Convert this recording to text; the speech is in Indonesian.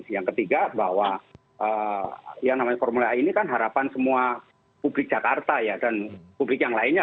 yang ketiga bahwa yang namanya formula e ini kan harapan semua publik jakarta ya dan publik yang lainnya